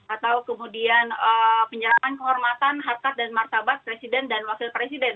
atau kemudian penyerahan kehormatan harkat dan martabat presiden dan wakil presiden